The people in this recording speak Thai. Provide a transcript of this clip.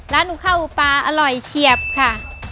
ร้านหนูข้าวหมูปลาอร่อยเฉียบค่ะ